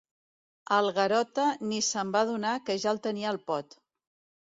El Garota ni se'n va adonar que ja el tenia al pot.